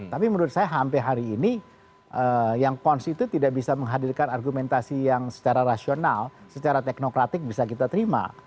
tapi menurut saya sampai hari ini yang cons itu tidak bisa menghadirkan argumentasi yang secara rasional secara teknokratik bisa kita terima